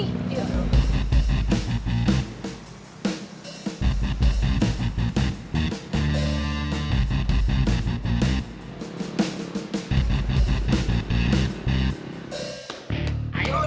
ayo jangan kemarah